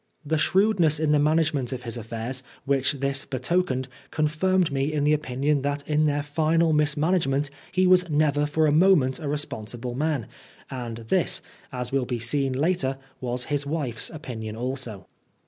The shrewdness in the management of his affairs which this betokened confirmed me in the opinion that in their final mismanagement he was never for a moment a responsible man, 70 Oscar Wilde and this, as will be seen later, was his wife's opinion also.